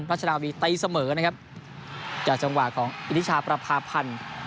ราชนาวีตีเสมอนะครับจากจังหวะของอิทธิชาประพาพันธ์